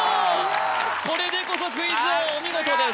これでこそクイズ王お見事です